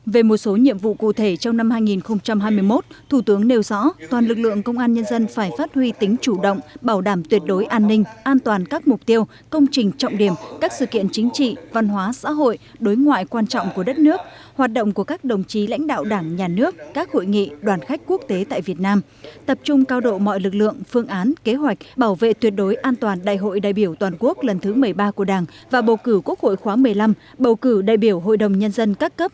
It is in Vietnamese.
về một số nhiệm vụ cụ thể trong năm hai nghìn hai mươi một thủ tướng nêu rõ toàn lực lượng công an nhân dân phải phát huy tính chủ động bảo đảm tuyệt đối an ninh an toàn các mục tiêu công trình trọng điểm các sự kiện chính trị văn hóa xã hội đối ngoại quan trọng của đất nước hoạt động của các đồng chí lãnh đạo đảng nhà nước các hội nghị đoàn khách quốc tế tại việt nam tập trung cao độ mọi lực lượng phương án kế hoạch bảo vệ tuyệt đối an toàn đại hội đại biểu toàn quốc lần thứ một mươi ba của đảng và bầu cử quốc hội khóa